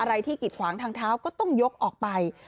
ที่กิดขวางทางเท้าก็ต้องยกออกไป